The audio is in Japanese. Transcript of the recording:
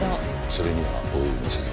それには及びません。